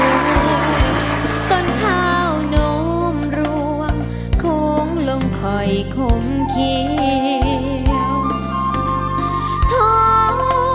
มองถุงสีทองคู่สวยต้นเท้านมร่วงโค้งลงคอยขมเขียว